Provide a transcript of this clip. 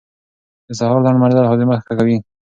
د سهار لنډ مزل هاضمه ښه کوي.